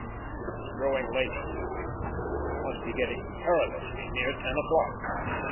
It was growing late, too; it must be getting perilously near ten o'clock.